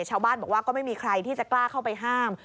ชาวบ้านบอกว่าก็ไม่มีใครที่จะกล้าเข้าไปห้าม